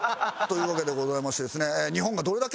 というわけでございましてですね。